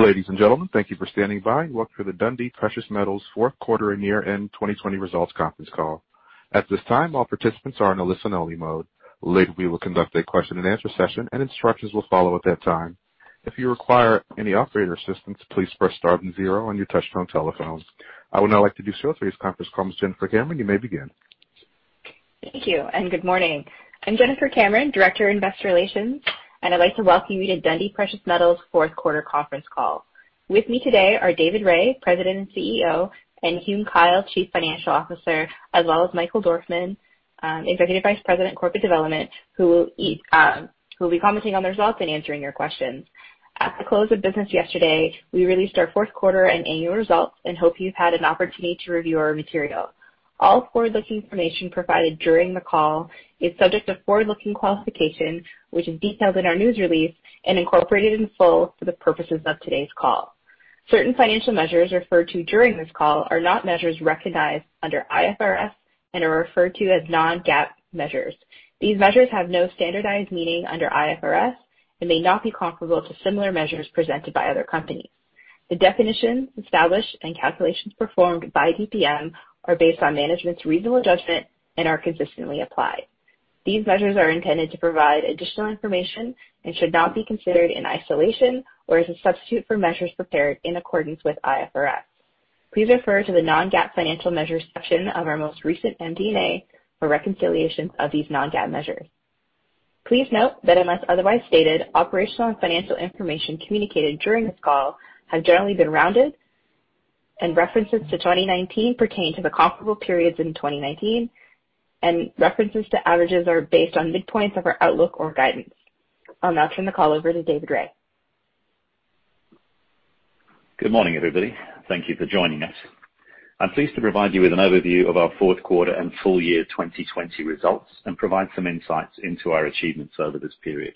Ladies and gentlemen, thank you for standing by. Welcome to the Dundee Precious Metals fourth quarter and year-end 2020 results conference call. At this time, all participants are in a listen-only mode. Later, we will conduct a question and answer session and instructions will follow at that time. If you require any operator assistance, please press star and zero on your touch-tone telephones. I would now like to do so. Today's conference call is Jennifer Cameron. You may begin. Thank you, and good morning. I'm Jennifer Cameron, Director of Investor Relations, and I'd like to welcome you to Dundee Precious Metals' fourth quarter conference call. With me today are David Rae, President and CEO, and Hume Kyle, Chief Financial Officer, as well as Michael Dorfman, Executive Vice President, Corporate Development, who will be commenting on the results and answering your questions. At the close of business yesterday, we released our fourth quarter and annual results and hope you've had an opportunity to review our material. All forward-looking information provided during the call is subject to forward-looking qualification, which is detailed in our news release and incorporated in full for the purposes of today's call. Certain financial measures referred to during this call are not measures recognized under IFRS and are referred to as non-GAAP measures. These measures have no standardized meaning under IFRS and may not be comparable to similar measures presented by other companies. The definitions established and calculations performed by DPM are based on management's reasonable judgment and are consistently applied. These measures are intended to provide additional information and should not be considered in isolation or as a substitute for measures prepared in accordance with IFRS. Please refer to the non-GAAP financial measures section of our most recent MD&A for reconciliation of these non-GAAP measures. Please note that unless otherwise stated, operational and financial information communicated during this call have generally been rounded, and references to 2019 pertain to the comparable periods in 2019, and references to averages are based on midpoints of our outlook or guidance. I'll now turn the call over to David Rae. Good morning, everybody. Thank you for joining us. I'm pleased to provide you with an overview of our fourth quarter and full year 2020 results and provide some insights into our achievements over this period.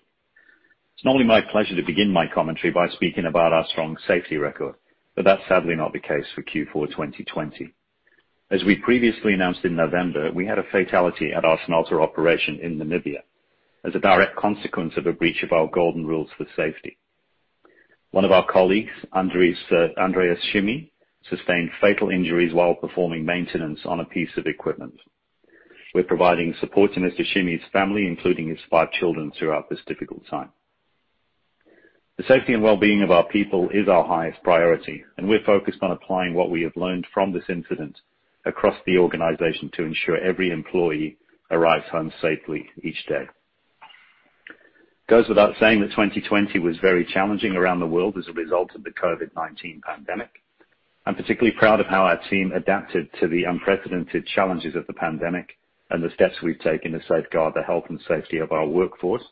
It's normally my pleasure to begin my commentary by speaking about our strong safety record, but that's sadly not the case for Q4 2020. As we previously announced in November, we had a fatality at our Tsumeb operation in Namibia as a direct consequence of a breach of our golden rules for safety. One of our colleagues, Andreas Shimi, sustained fatal injuries while performing maintenance on a piece of equipment. We're providing support to Mr. Shimi's family, including his five children, throughout this difficult time. The safety and wellbeing of our people is our highest priority, and we're focused on applying what we have learned from this incident across the organization to ensure every employee arrives home safely each day. It goes without saying that 2020 was very challenging around the world as a result of the COVID-19 pandemic. I'm particularly proud of how our team adapted to the unprecedented challenges of the pandemic and the steps we've taken to safeguard the health and safety of our workforce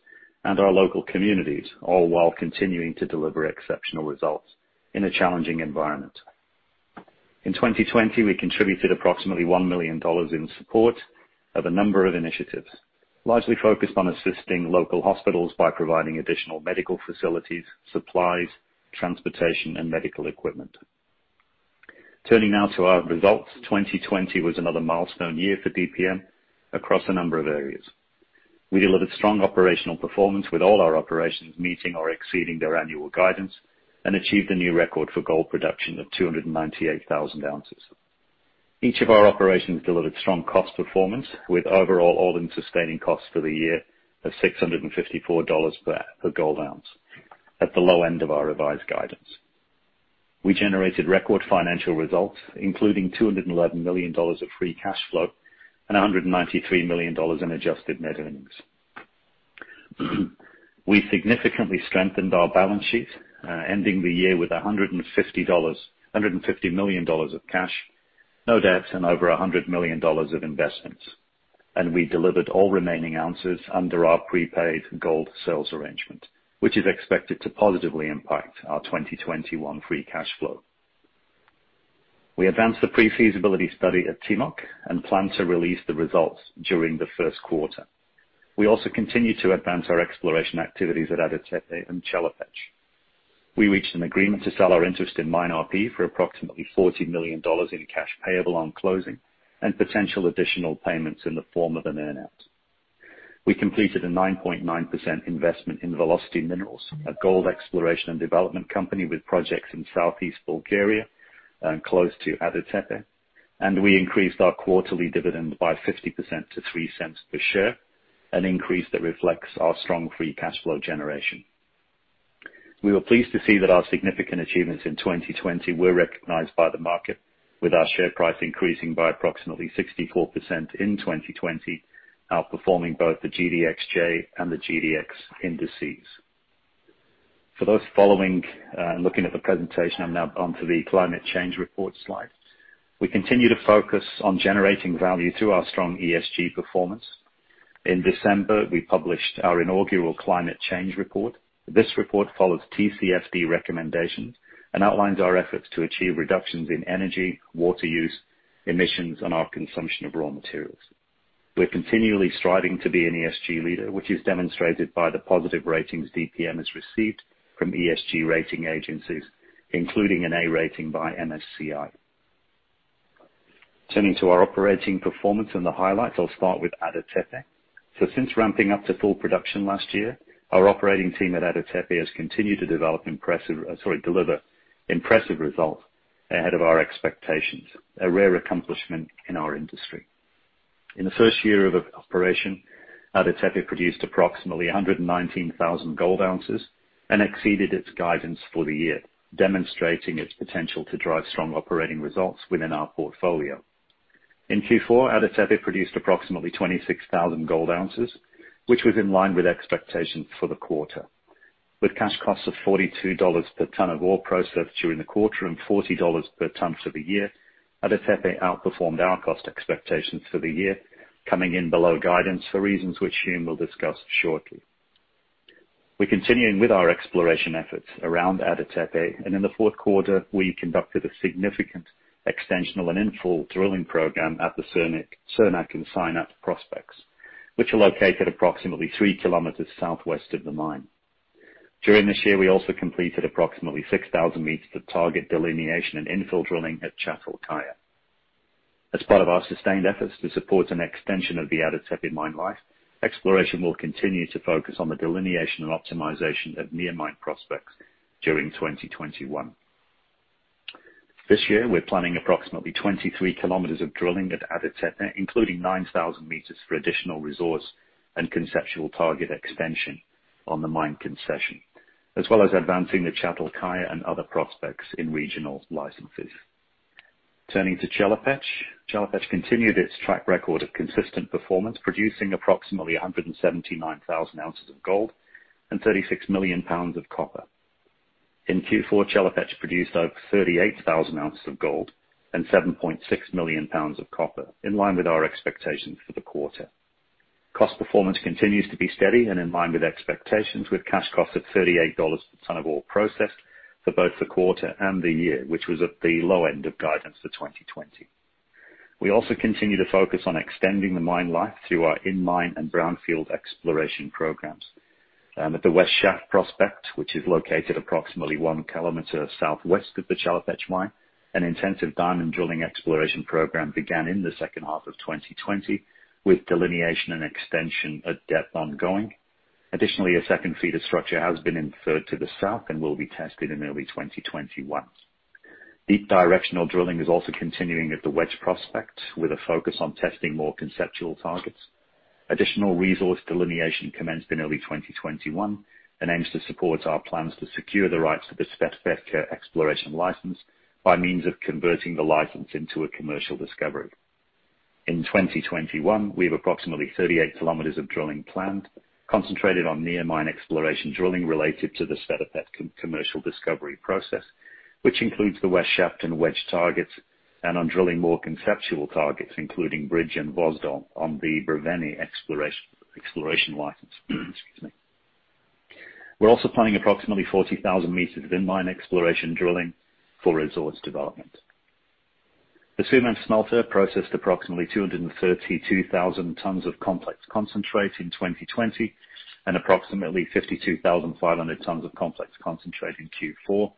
and our local communities, all while continuing to deliver exceptional results in a challenging environment. In 2020, we contributed approximately $1 million in support of a number of initiatives, largely focused on assisting local hospitals by providing additional medical facilities, supplies, transportation, and medical equipment. Turning now to our results, 2020 was another milestone year for DPM across a number of areas. We delivered strong operational performance with all our operations meeting or exceeding their annual guidance and achieved a new record for gold production of 298,000 ounces. Each of our operations delivered strong cost performance, with overall all-in sustaining costs for the year of $654 per gold ounce at the low end of our revised guidance. We generated record financial results, including $211 million of free cash flow and $193 million in adjusted net earnings. We significantly strengthened our balance sheet, ending the year with $150 million of cash, no debt, and over $100 million of investments. We delivered all remaining ounces under our prepaid gold sales arrangement, which is expected to positively impact our 2021 free cash flow. We advanced the pre-feasibility study at Timok and plan to release the results during the first quarter. We also continue to advance our exploration activities at Ada Tepe and Chelopech. We reached an agreement to sell our interest in MineRP for approximately $40 million in cash payable on closing and potential additional payments in the form of an earn-out. We completed a 9.9% investment in Velocity Minerals, a gold exploration and development company with projects in southeastern Bulgaria and close to Ada Tepe, and we increased our quarterly dividend by 50% to $0.03 per share, an increase that reflects our strong free cash flow generation. We were pleased to see that our significant achievements in 2020 were recognized by the market, with our share price increasing by approximately 64% in 2020, outperforming both the GDXJ and the GDX indices. For those following and looking at the presentation, I'm now onto the climate change report slide. We continue to focus on generating value through our strong ESG performance. In December, we published our inaugural climate change report. This report follows TCFD recommendations and outlines our efforts to achieve reductions in energy, water use, emissions, and our consumption of raw materials. We're continually striving to be an ESG leader, which is demonstrated by the positive ratings DPM has received from ESG rating agencies, including an A rating by MSCI. Turning to our operating performance and the highlights, I'll start with Ada Tepe. Since ramping up to full production last year, our operating team at Ada Tepe has continued to deliver impressive results ahead of our expectations, a rare accomplishment in our industry. In the first year of operation, Ada Tepe produced approximately 119,000 gold ounces and exceeded its guidance for the year, demonstrating its potential to drive strong operating results within our portfolio. In Q4, Ada Tepe produced approximately 26,000 gold ounces, which was in line with expectations for the quarter, with cash costs of $42 per ton of ore processed during the quarter and $40 per ton for the year. Ada Tepe outperformed our cost expectations for the year, coming in below guidance for reasons which Hume will discuss shortly. We're continuing with our exploration efforts around Ada Tepe, and in the fourth quarter, we conducted a significant extensional and infill drilling program at the Surnak and Synap prospects, which are located approximately 3 km southwest of the mine. During this year, we also completed approximately 6,000 m of target delineation and infill drilling at Chatalkaya. As part of our sustained efforts to support an extension of the Ada Tepe mine life, exploration will continue to focus on the delineation and optimization of near mine prospects during 2021. This year, we're planning approximately 23 km of drilling at Ada Tepe, including 9,000 m for additional resource and conceptual target extension on the mine concession, as well as advancing the Chatalkaya and other prospects in regional licenses. Turning to Chelopech. Chelopech continued its track record of consistent performance, producing approximately 179,000 ounces of gold and 36 million pounds of copper. In Q4, Chelopech produced over 38,000 ounces of gold and 7.6 million pounds of copper, in line with our expectations for the quarter. Cost performance continues to be steady and in line with expectations, with cash costs at $38 per ton of ore processed for both the quarter and the year, which was at the low end of guidance for 2020. We also continue to focus on extending the mine life through our in-mine and brownfield exploration programs. At the West Shaft prospect, which is located approximately 1 km southwest of the Chelopech mine, an intensive diamond drilling exploration program began in the second half of 2020, with delineation and extension at depth ongoing. Additionally, a second feeder structure has been inferred to the south and will be tested in early 2021. Deep directional drilling is also continuing at the Wedge prospect, with a focus on testing more conceptual targets. Additional resource delineation commenced in early 2021 and aims to support our plans to secure the rights to the Sveta Petka exploration license by means of converting the license into a commercial discovery. In 2021, we have approximately 38 km of drilling planned, concentrated on near mine exploration drilling related to the Sveta Petka commercial discovery process, which includes the West Shaft and Wedge targets, and on drilling more conceptual targets, including Bridge and Vozdol on the Brevene exploration license. Excuse me. We're also planning approximately 40,000 m of in-mine exploration drilling for resource development. The Tsumeb smelter processed approximately 232,000 tons of complex concentrate in 2020 and approximately 52,500 tons of complex concentrate in Q4.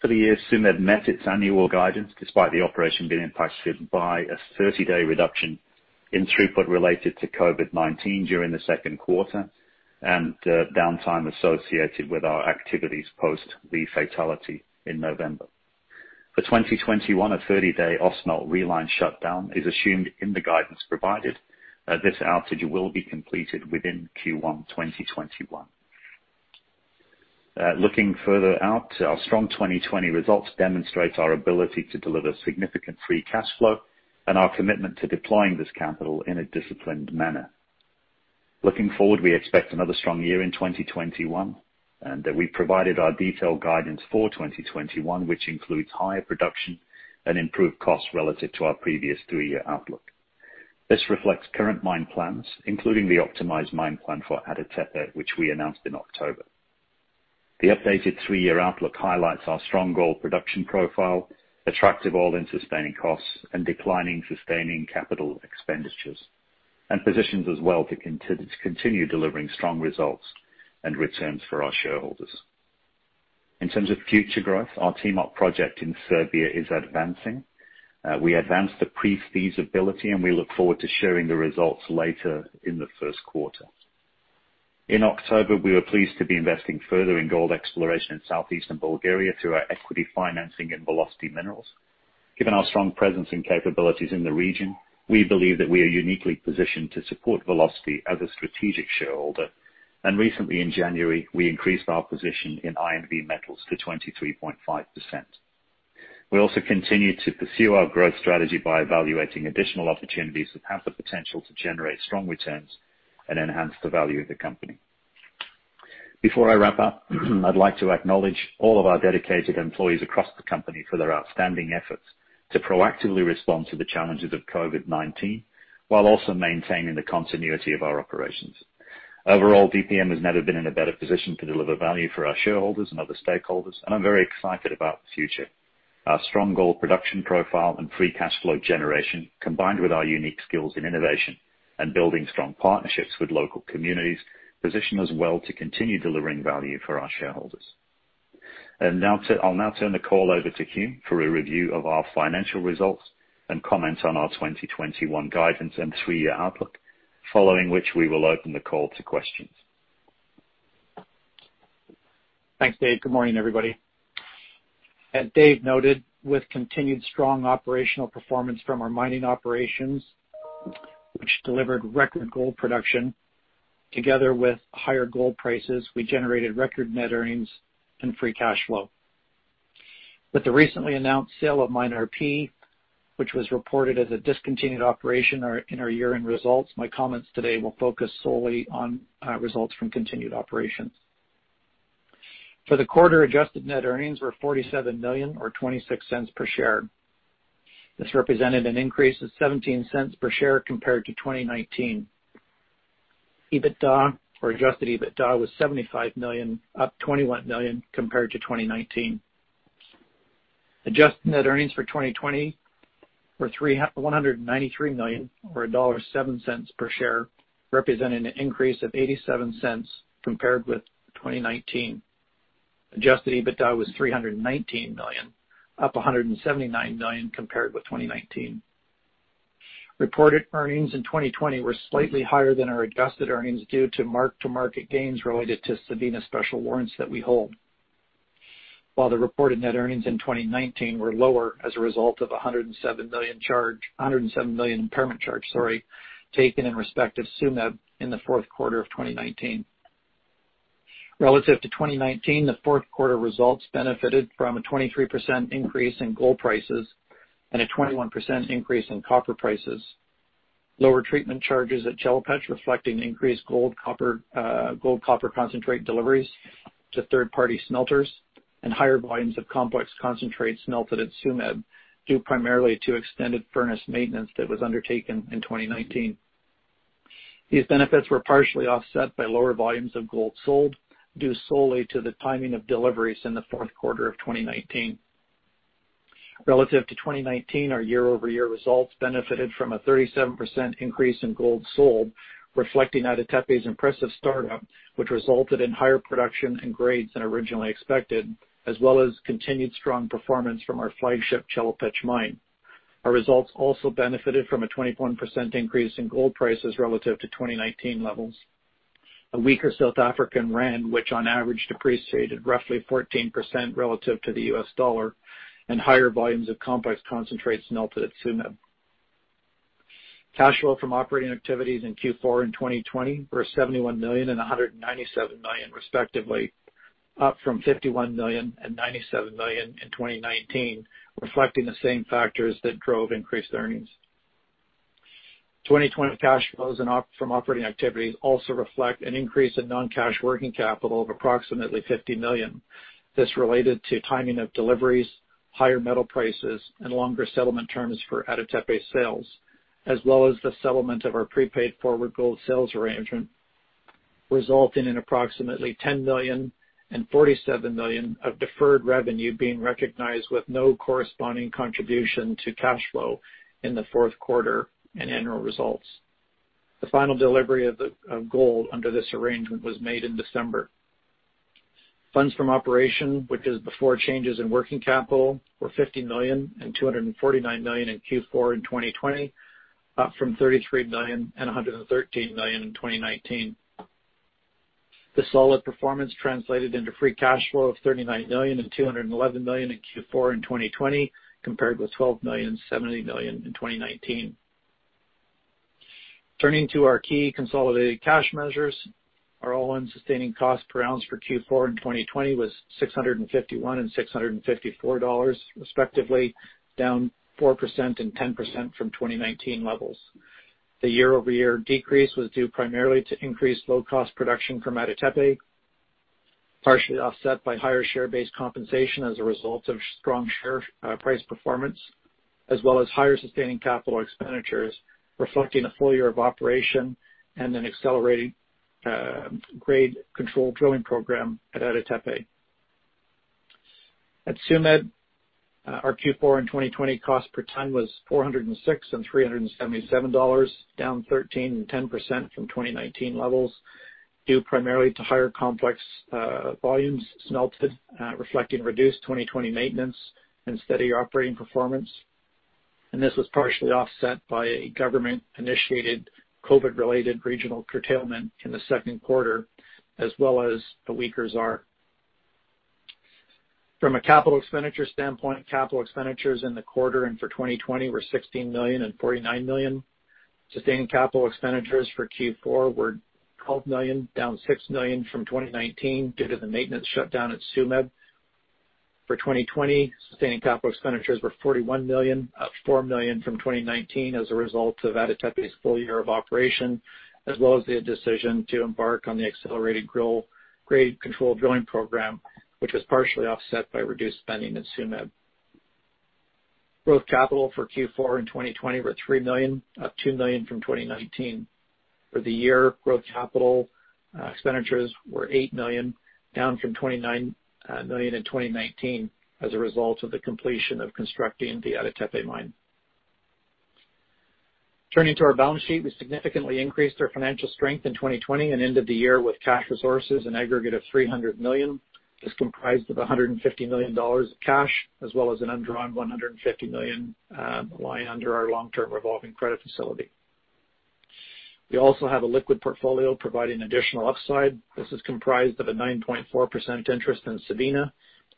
For the year, Tsumeb met its annual guidance despite the operation being impacted by a 30-day reduction in throughput related to COVID-19 during the second quarter and downtime associated with our activities post the fatality in November. For 2021, a 30-day Ausmelt reline shutdown is assumed in the guidance provided. This outage will be completed within Q1 2021. Looking further out, our strong 2020 results demonstrate our ability to deliver significant free cash flow and our commitment to deploying this capital in a disciplined manner. Looking forward, we expect another strong year in 2021, and we've provided our detailed guidance for 2021, which includes higher production and improved costs relative to our previous three-year outlook. This reflects current mine plans, including the optimized mine plan for Ada Tepe, which we announced in October. The updated three-year outlook highlights our strong gold production profile, attractive all-in sustaining costs, and declining sustaining capital expenditures, and positions us well to continue delivering strong results and returns for our shareholders. In terms of future growth, our Timok project in Serbia is advancing. We advanced to pre-feasibility, and we look forward to sharing the results later in the first quarter. In October, we were pleased to be investing further in gold exploration in southeastern Bulgaria through our equity financing in Velocity Minerals. Given our strong presence and capabilities in the region, we believe that we are uniquely positioned to support Velocity as a strategic shareholder. Recently in January, we increased our position in INV Metals to 23.5%. We also continue to pursue our growth strategy by evaluating additional opportunities that have the potential to generate strong returns and enhance the value of the company. Before I wrap up, I'd like to acknowledge all of our dedicated employees across the company for their outstanding efforts to proactively respond to the challenges of COVID-19 while also maintaining the continuity of our operations. Overall, DPM has never been in a better position to deliver value for our shareholders and other stakeholders, and I'm very excited about the future. Our strong gold production profile and free cash flow generation, combined with our unique skills in innovation and building strong partnerships with local communities, position us well to continue delivering value for our shareholders. Now, I'll now turn the call over to Hume for a review of our financial results and comments on our 2021 guidance and three-year outlook, following which we will open the call to questions. Thanks, Dave. Good morning, everybody. As Dave noted, with continued strong operational performance from our mining operations, which delivered record gold production, together with higher gold prices, we generated record net earnings and free cash flow. With the recently announced sale of MineRP, which was reported as a discontinued operation in our year-end results, my comments today will focus solely on results from continued operations. For the quarter, adjusted net earnings were $47 million, or $0.26 per share. This represented an increase of $0.17 per share compared to 2019. EBITDA, or adjusted EBITDA, was $75 million, up $21 million compared to 2019. Adjusted net earnings for 2020 were $193 million, or $1.07 per share, representing an increase of $0.87 compared with 2019. Adjusted EBITDA was $319 million, up $179 million compared with 2019. Reported earnings in 2020 were slightly higher than our adjusted earnings due to mark-to-market gains related to Sabina special warrants that we hold, while the reported net earnings in 2019 were lower as a result of a $107 million impairment charge, sorry, taken in respect of Tsumeb in the fourth quarter of 2019. Relative to 2019, the fourth quarter results benefited from a 23% increase in gold prices and a 21% increase in copper prices. Lower treatment charges at Chelopech reflecting increased gold copper concentrate deliveries to third-party smelters, and higher volumes of complex concentrates smelted at Tsumeb, due primarily to extended furnace maintenance that was undertaken in 2019. These benefits were partially offset by lower volumes of gold sold, due solely to the timing of deliveries in the fourth quarter of 2019. Relative to 2019, our year-over-year results benefited from a 37% increase in gold sold, reflecting Ada Tepe's impressive startup, which resulted in higher production and grades than originally expected, as well as continued strong performance from our flagship Chelopech mine. Our results also benefited from a 21% increase in gold prices relative to 2019 levels. A weaker South African rand, which on average depreciated roughly 14% relative to the U.S. dollar, and higher volumes of complex concentrates smelted at Tsumeb. Cash flow from operating activities in Q4 in 2020 were $71 million and $197 million respectively, up from $51 million and $97 million in 2019, reflecting the same factors that drove increased earnings. 2020 cash flows from operating activities also reflect an increase in non-cash working capital of approximately $50 million. This related to timing of deliveries, higher metal prices, and longer settlement terms for Ada Tepe sales, as well as the settlement of our prepaid forward gold sales arrangement, resulting in approximately $10 million and $47 million of deferred revenue being recognized with no corresponding contribution to cash flow in the fourth quarter and annual results. The final delivery of gold under this arrangement was made in December. Funds from operation, which is before changes in working capital, were $50 million and $249 million in Q4 in 2020, up from $33 million and $113 million in 2019. The solid performance translated into free cash flow of $39 million and $211 million in Q4 in 2020, compared with $12 million and $70 million in 2019. Turning to our key consolidated cash measures, our all-in sustaining costs per ounce for Q4 2020 was $651 and $654 respectively, down 4% and 10% from 2019 levels. The year-over-year decrease was due primarily to increased low-cost production from Ada Tepe, partially offset by higher share-based compensation as a result of strong share price performance, as well as higher sustaining capital expenditures reflecting a full year of operation and an accelerating grade control drilling program at Ada Tepe. At Tsumeb, our Q4 2020 cost per ton was $406 and $377, down 13% and 10% from 2019 levels, due primarily to higher complex volumes smelted, reflecting reduced 2020 maintenance and steady operating performance. This was partially offset by a government-initiated COVID-related regional curtailment in the second quarter, as well as a weaker ZAR. From a capital expenditure standpoint, capital expenditures in the quarter and for 2020 were $16 million and $49 million. Sustaining capital expenditures for Q4 were $12 million, down $6 million from 2019 due to the maintenance shutdown at Tsumeb. For 2020, sustaining capital expenditures were $41 million, up $4 million from 2019 as a result of Ada Tepe's full year of operation, as well as the decision to embark on the accelerated grade control drilling program, which was partially offset by reduced spending at Tsumeb. Growth capital for Q4 in 2020 were $3 million, up $2 million from 2019. For the year, growth capital expenditures were $8 million, down from $29 million in 2019 as a result of the completion of constructing the Ada Tepe mine. Turning to our balance sheet, we significantly increased our financial strength in 2020 and ended the year with cash resources, an aggregate of $300 million. This is comprised of $150 million of cash, as well as an undrawn $150 million lying under our long-term revolving credit facility. We also have a liquid portfolio providing additional upside. This is comprised of a 9.4% interest in Sabina,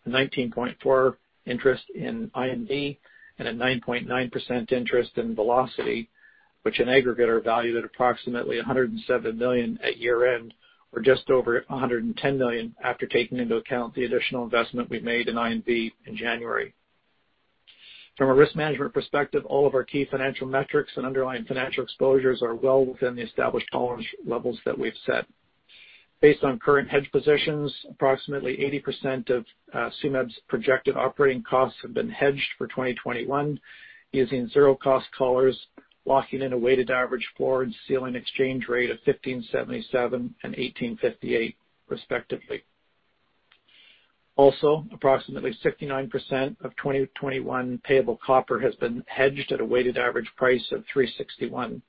a 19.4% interest in INV, and a 9.9% interest in Velocity, which in aggregate are valued at approximately $107 million at year-end or just over $110 million after taking into account the additional investment we made in INV in January. From a risk management perspective, all of our key financial metrics and underlying financial exposures are well within the established tolerance levels that we've set. Based on current hedge positions, approximately 80% of Tsumeb's projected operating costs have been hedged for 2021 using zero-cost collars, locking in a weighted average floor and ceiling exchange rate of 15.77 and 18.58 respectively. Also, approximately 69% of 2021 payable copper has been hedged at a weighted average price of $3.61.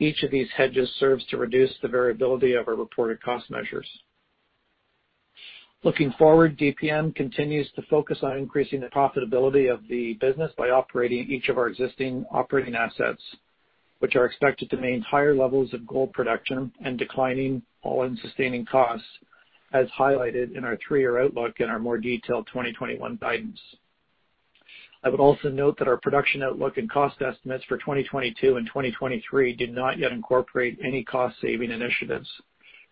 Each of these hedges serves to reduce the variability of our reported cost measures. Looking forward, DPM continues to focus on increasing the profitability of the business by operating each of our existing operating assets, which are expected to maintain higher levels of gold production and declining all-in sustaining costs, as highlighted in our three-year outlook and our more detailed 2021 guidance. I would also note that our production outlook and cost estimates for 2022 and 2023 do not yet incorporate any cost-saving initiatives,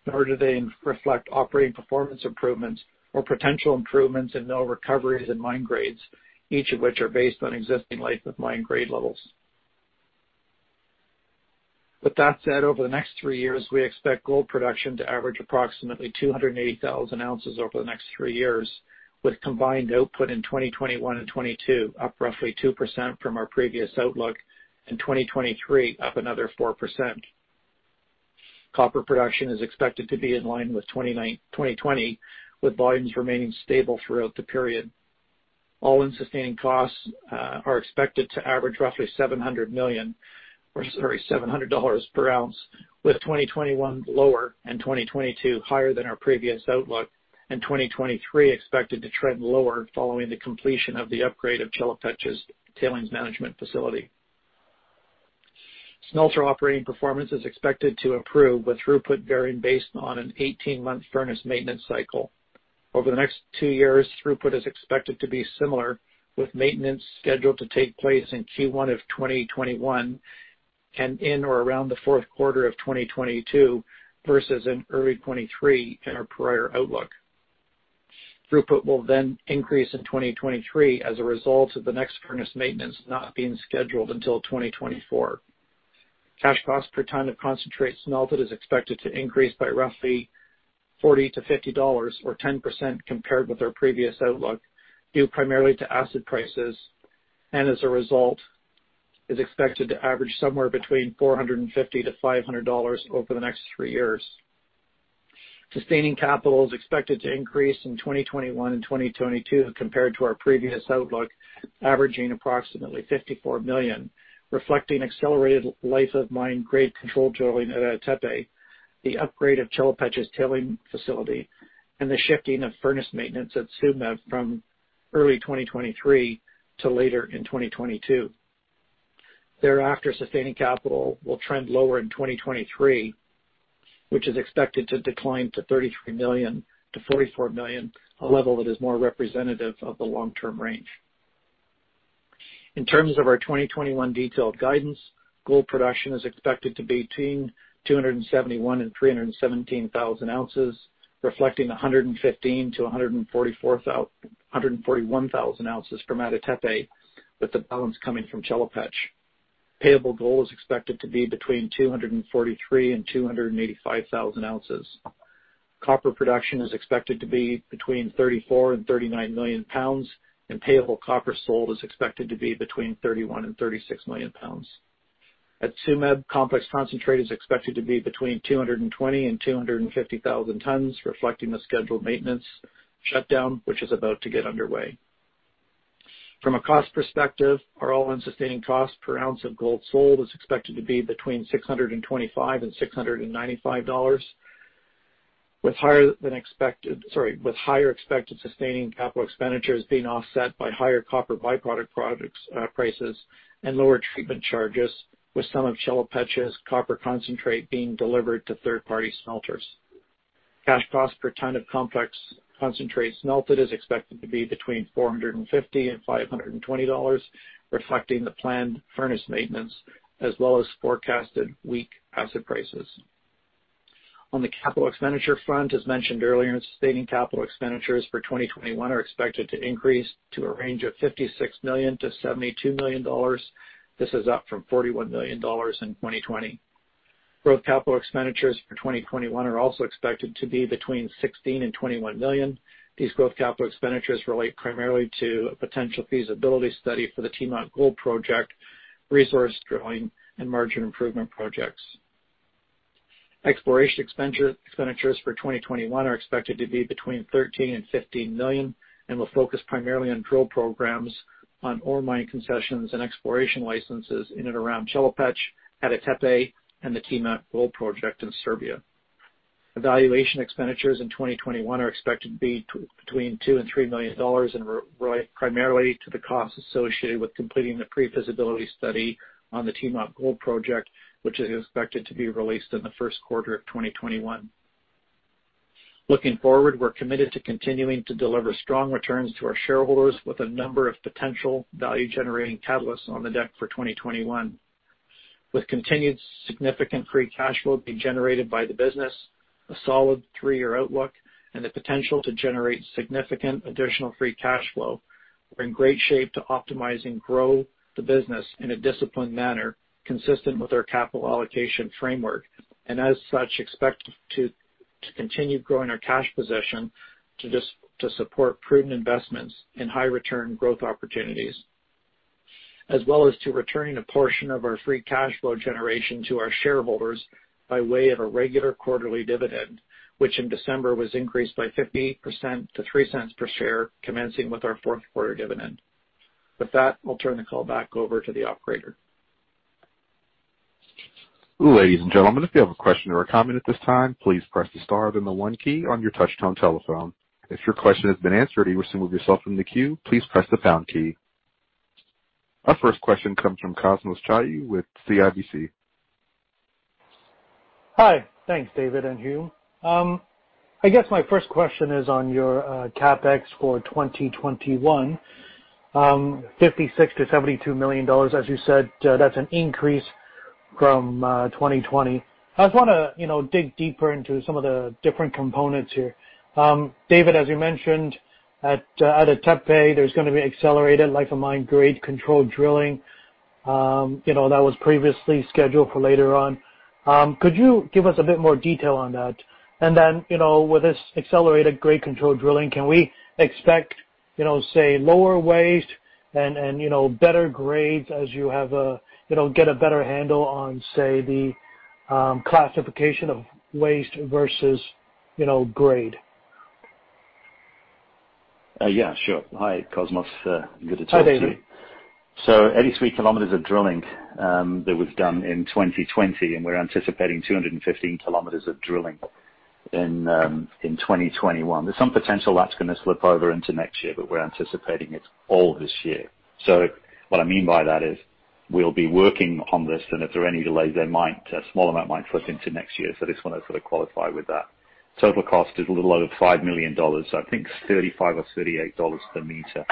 nor do they reflect operating performance improvements or potential improvements in mill recoveries and mine grades, each of which are based on existing life of mine grade levels. With that said, over the next three years, we expect gold production to average approximately 280,000 ounces over the next three years with combined output in 2021 and 2022 up roughly 2% from our previous outlook, and 2023 up another 4%. Copper production is expected to be in line with 2020, with volumes remaining stable throughout the period. all-in sustaining costs are expected to average roughly $700 per ounce with 2021 lower and 2022 higher than our previous outlook, and 2023 expected to trend lower following the completion of the upgrade of Chelopech's tailings management facility. Smelter operating performance is expected to improve with throughput varying based on an 18-month furnace maintenance cycle. Over the next two years, throughput is expected to be similar, with maintenance scheduled to take place in Q1 of 2021 and in or around the fourth quarter of 2022 versus in early 2023 in our prior outlook. Throughput will increase in 2023 as a result of the next furnace maintenance not being scheduled until 2024. Cash cost per ton of concentrate smelted is expected to increase by roughly $40-$50 or 10% compared with our previous outlook, due primarily to acid prices, and as a result is expected to average somewhere between $450-$500 over the next three years. Sustaining capital is expected to increase in 2021 and 2022 compared to our previous outlook, averaging approximately $54 million, reflecting accelerated life of mine grade control drilling at Ada Tepe, the upgrade of Chelopech's tailings management facility, and the shifting of furnace maintenance at Tsumeb from early 2023 to later in 2022. Thereafter, sustaining capital will trend lower in 2023, which is expected to decline to $33 million-$44 million, a level that is more representative of the long-term range. In terms of our 2021 detailed guidance, gold production is expected to be between 271,000 and 317,000 ounces, reflecting 115,000-141,000 ounces from Ada Tepe, with the balance coming from Chelopech. Payable gold is expected to be between 243,000 and 285,000 ounces. Copper production is expected to be between 34 million and 39 million pounds, and payable copper sold is expected to be between 31 million and 36 million pounds. At Tsumeb, complex concentrate is expected to be between 220,000 and 250,000 tons, reflecting the scheduled maintenance shutdown, which is about to get underway. From a cost perspective, our all-in sustaining costs per ounce of gold sold is expected to be between $625 and $695 with higher expected sustaining capital expenditures being offset by higher copper byproduct prices and lower treatment charges, with some of Chelopech's copper concentrate being delivered to third-party smelters. Cash cost per ton of complex concentrates smelted is expected to be between $450 and $520, reflecting the planned furnace maintenance as well as forecasted weak acid prices. On the capital expenditure front, as mentioned earlier, sustaining capital expenditures for 2021 are expected to increase to a range of $56 million-$72 million. This is up from $41 million in 2020. Growth capital expenditures for 2021 are also expected to be between $16 million and $21 million. These growth capital expenditures relate primarily to a potential feasibility study for the Timok Gold Project, resource drilling, and margin improvement projects. Exploration expenditures for 2021 are expected to be between $13 million-$15 million and will focus primarily on drill programs on our mine concessions and exploration licenses in and around Chelopech, Ada Tepe, and the Timok Gold Project in Serbia. Evaluation expenditures in 2021 are expected to be between $2 million-$3 million primarily to the costs associated with completing the pre-feasibility study on the Timok Gold Project, which is expected to be released in the first quarter of 2021. Looking forward, we're committed to continuing to deliver strong returns to our shareholders with a number of potential value-generating catalysts on the deck for 2021. With continued significant free cash flow being generated by the business, a solid three-year outlook, and the potential to generate significant additional free cash flow, we're in great shape to optimize and grow the business in a disciplined manner consistent with our capital allocation framework. As such, expect to continue growing our cash position to support prudent investments in high return growth opportunities. As well as to returning a portion of our free cash flow generation to our shareholders by way of a regular quarterly dividend, which in December was increased by 58% to $0.03 per share, commencing with our fourth quarter dividend. With that, I'll turn the call back over to the operator. Ladies and gentlemen, if you have a question or a comment at this time, please press the star then the one key on your touchtone telephone. If your question has been answered or you wish to remove yourself from the queue, please press the pound key. Our first question comes from Cosmos Chiu with CIBC. Hi. Thanks, David and Hume. I guess my first question is on your CapEx for 2021, $56 million-$72 million. As you said, that's an increase from 2020. I just want to dig deeper into some of the different components here. David, as you mentioned, at Ada Tepe, there's going to be accelerated life of mine grade control drilling that was previously scheduled for later on. Could you give us a bit more detail on that? Then, with this accelerated grade control drilling, can we expect, say, lower waste and better grades as you get a better handle on, say, the classification of waste versus grade? Yeah, sure. Hi, Cosmos. Good to talk to you. Hi, David. 83 km of drilling that was done in 2020, and we're anticipating 215 km of drilling in 2021. There's some potential that's going to slip over into next year, but we're anticipating it's all this year. What I mean by that is we'll be working on this, and if there are any delays, a small amount might slip into next year. I just want to sort of qualify with that. Total cost is a little over $5 million. I think it's $35 or $38 per meter.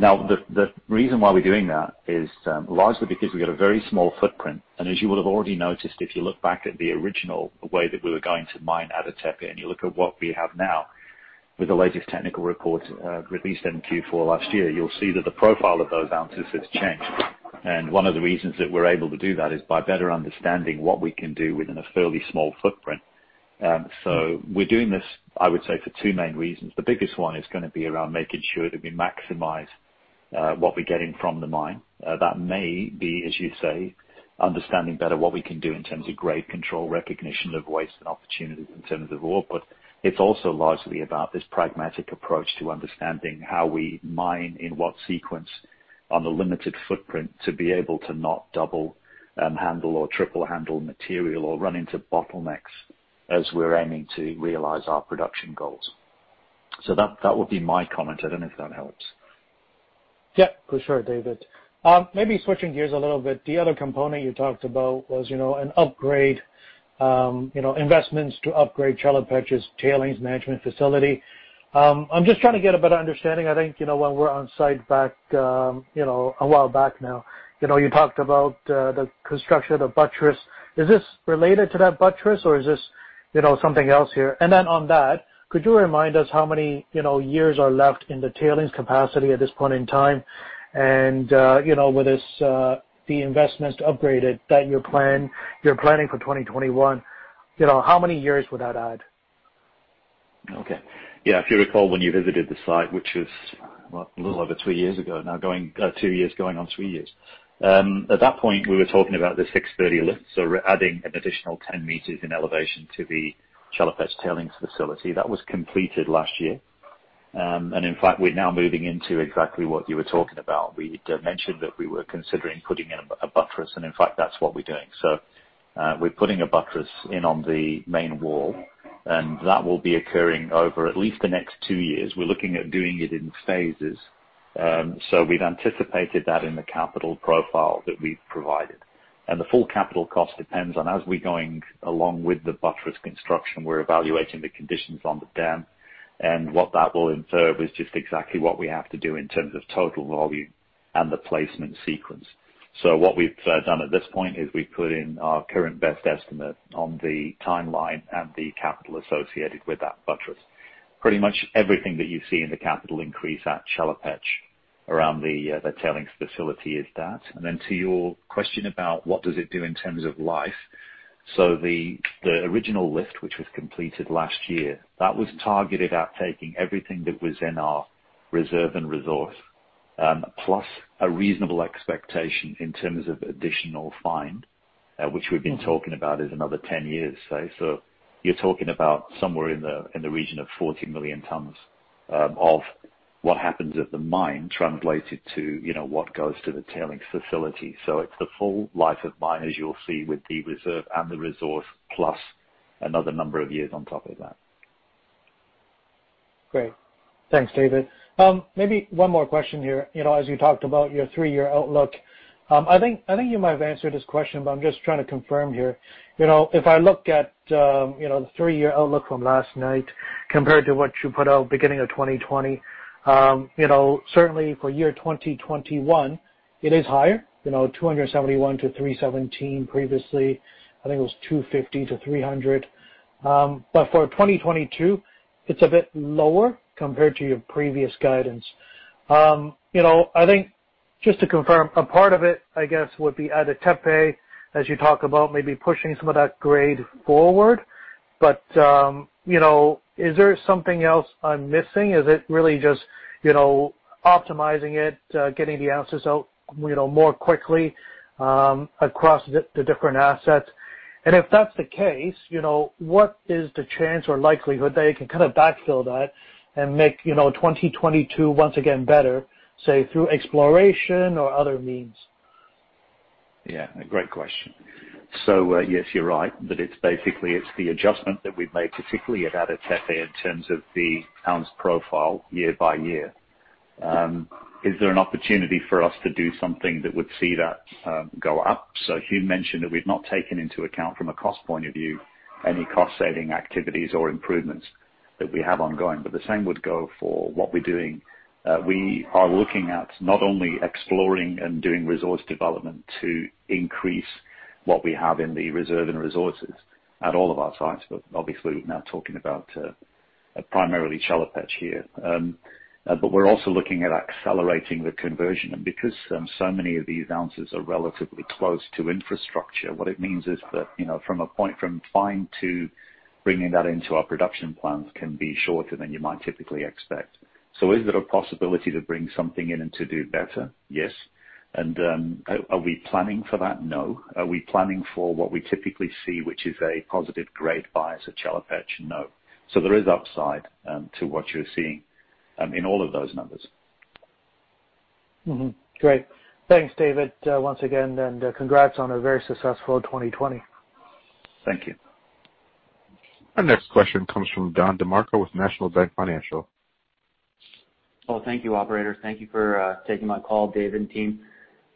The reason why we're doing that is largely because we've got a very small footprint. As you will have already noticed, if you look back at the original way that we were going to mine Ada Tepe, and you look at what we have now with the latest technical report released in Q4 last year, you'll see that the profile of those ounces has changed. One of the reasons that we're able to do that is by better understanding what we can do within a fairly small footprint. We're doing this, I would say, for two main reasons. The biggest one is going to be around making sure that we maximize what we're getting from the mine. That may be, as you say, understanding better what we can do in terms of grade control, recognition of waste, and opportunity in terms of ore. It's also largely about this pragmatic approach to understanding how we mine in what sequence on the limited footprint to be able to not double handle or triple handle material or run into bottlenecks as we're aiming to realize our production goals. That would be my comment. I don't know if that helps. For sure, David. Maybe switching gears a little bit, the other component you talked about was an upgrade, investments to upgrade Chelopech's tailings management facility. I'm just trying to get a better understanding. I think, when we're on site a while back now, you talked about the construction of the buttress. Is this related to that buttress or is this something else here? On that, could you remind us how many years are left in the tailings capacity at this point in time? With the investments to upgrade it that you're planning for 2021, how many years would that add? Okay. Yeah, if you recall when you visited the site, which was, what? A little over two years ago now, two years going on three years. At that point, we were talking about the 630 lift. We're adding an additional 10 m in elevation to the Chelopech tailings facility. That was completed last year. In fact, we're now moving into exactly what you were talking about. We'd mentioned that we were considering putting in a buttress, and in fact, that's what we're doing. We're putting a buttress in on the main wall, and that will be occurring over at least the next two years. We're looking at doing it in phases. We've anticipated that in the capital profile that we've provided. The full capital cost depends on as we're going along with the buttress construction, we're evaluating the conditions on the dam. What that will infer is just exactly what we have to do in terms of total volume and the placement sequence. What we've done at this point is we've put in our current best estimate on the timeline and the capital associated with that buttress. Pretty much everything that you see in the capital increase at Chelopech around the tailings facility is that. Then to your question about what does it do in terms of life. The original lift, which was completed last year, that was targeted at taking everything that was in our reserve and resource plus a reasonable expectation in terms of additional find, which we've been talking about is another 10 years, say. You're talking about somewhere in the region of 40 million tons of what happens at the mine translated to what goes to the tailings facility. It's the full life of mine, as you'll see with the reserve and the resource, plus another number of years on top of that. Great. Thanks, David. Maybe one more question here. As you talked about your three-year outlook, I think you might have answered this question, but I'm just trying to confirm here. If I look at the three-year outlook from last night compared to what you put out beginning of 2020, certainly for year 2021, it is higher, 271-317. Previously, I think it was 250-300. For 2022, it's a bit lower compared to your previous guidance. I think, just to confirm, a part of it, I guess, would be at Ada Tepe, as you talk about maybe pushing some of that grade forward. Is there something else I'm missing? Is it really just optimizing it, getting the answers out more quickly across the different assets? If that's the case, what is the chance or likelihood that you can backfill that and make 2022 once again better, say, through exploration or other means? Yeah, great question. Yes, you're right, that it's basically the adjustment that we've made, particularly at Ada Tepe, in terms of the pounds profile year-by-year. Is there an opportunity for us to do something that would see that go up? Hume mentioned that we've not taken into account from a cost point of view any cost-saving activities or improvements that we have ongoing, but the same would go for what we're doing. We are looking at not only exploring and doing resource development to increase what we have in the reserve and resources at all of our sites, but obviously we're now talking about primarily Chelopech here. We're also looking at accelerating the conversion. Because so many of these ounces are relatively close to infrastructure, what it means is that from a point from find to bringing that into our production plans can be shorter than you might typically expect. Is there a possibility to bring something in and to do better? Yes. Are we planning for that? No. Are we planning for what we typically see, which is a positive grade bias at Chelopech? No. There is upside to what you're seeing in all of those numbers. Great. Thanks, David, once again, and congrats on a very successful 2020. Thank you. Our next question comes from Don DeMarco with National Bank Financial. Thank you, operator. Thank you for taking my call, Dave and team.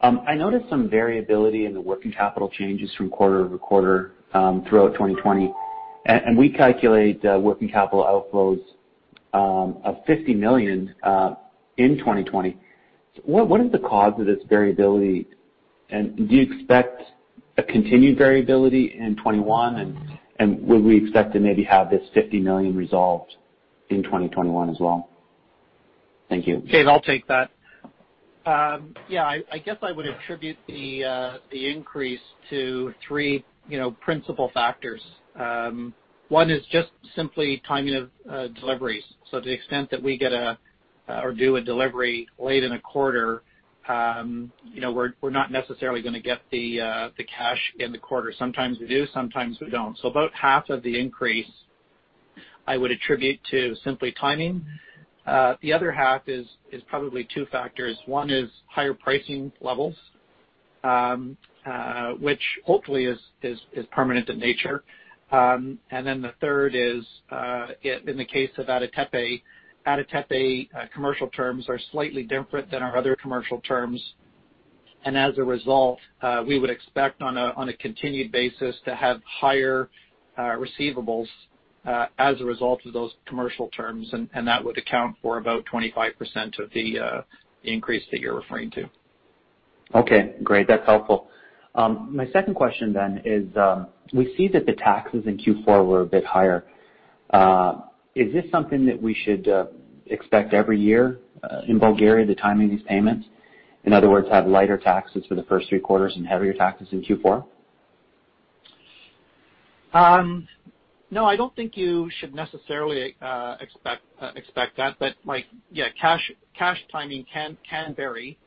I noticed some variability in the working capital changes from quarter-over-quarter throughout 2020. We calculate working capital outflows of $50 million in 2020. What is the cause of this variability, and do you expect a continued variability in 2021, and would we expect to maybe have this $50 million resolved in 2021 as well? Thank you. Dave, I'll take that. Yeah, I guess I would attribute the increase to three principal factors. One is just simply timing of deliveries. To the extent that we or do a delivery late in a quarter, we're not necessarily going to get the cash in the quarter. Sometimes we do, sometimes we don't. About half of the increase I would attribute to simply timing. The other half is probably two factors. One is higher pricing levels, which hopefully is permanent in nature. The third is, in the case of Ada Tepe, Ada Tepe commercial terms are slightly different than our other commercial terms. As a result, we would expect on a continued basis to have higher receivables as a result of those commercial terms, and that would account for about 25% of the increase that you're referring to. Okay, great. That's helpful. My second question is, we see that the taxes in Q4 were a bit higher. Is this something that we should expect every year in Bulgaria, the timing of these payments? In other words, have lighter taxes for the first three quarters and heavier taxes in Q4? No, I don't think you should necessarily expect that. Yeah, cash timing can vary.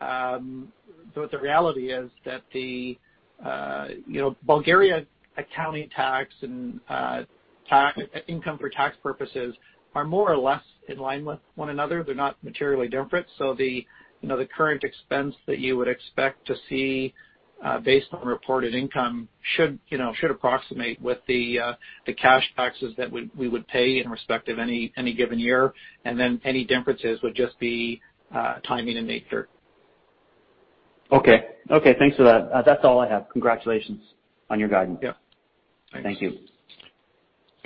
The reality is that Bulgaria accounting tax and income for tax purposes are more or less in line with one another. They're not materially different. The current expense that you would expect to see based on reported income should approximate with the cash taxes that we would pay in respect of any given year. Any differences would just be timing in nature. Okay. Thanks for that. That's all I have. Congratulations on your guidance. Yeah. Thanks. Thank you.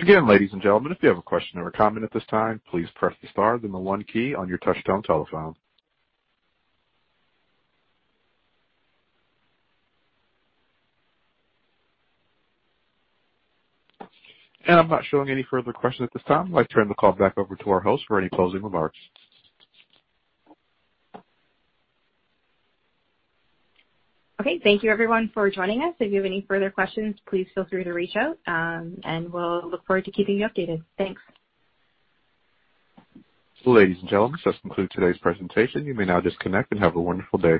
Again, ladies and gentlemen, if you have a question or comment at this time, please press star one key on your touch-tone telephone. I'm not showing any further questions at this time. I'd like to turn the call back over to our host for any closing remarks. Okay, thank you everyone for joining us. If you have any further questions, please feel free to reach out. We'll look forward to keeping you updated. Thanks. Ladies and gentlemen, this does conclude today's presentation. You may now disconnect, and have a wonderful day.